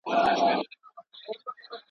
هغه بل پر جواهرو هنرونو.